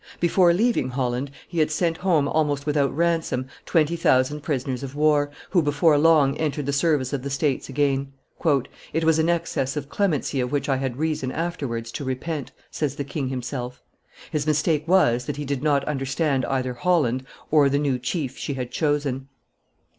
Before leaving Holland, he had sent home almost without ransom twenty thousand prisoners of war, who before long entered the service of the States again. "It was an excess of clemency of which I had reason afterwards to repent," says the king himself. His mistake was, that he did not understand either Holland or the new chief she had chosen.